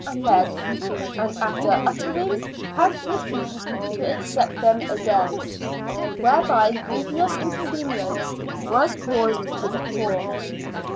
71 and lead, and, after uttering, had refused to accept them again, whereby grievous inconvenience was caused to the poor.